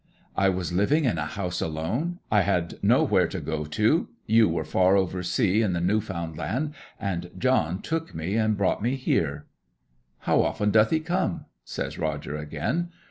'I was living in a house alone; I had nowhere to go to. You were far over sea in the New Found Land, and John took me and brought me here.' 'How often doth he come?' says Roger again.